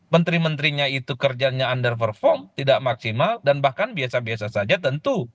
menteri menterinya itu kerjanya under perform tidak maksimal dan bahkan biasa biasa saja tentu